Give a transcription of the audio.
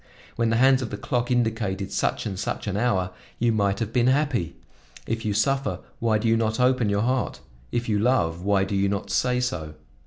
When the hands of the clock indicated such and such an hour, you might have been happy. If you suffer, why do you not open your heart? If you love, why do you not say so?